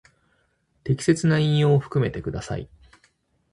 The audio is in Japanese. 適切な引用を含めてください。